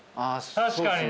確かにね。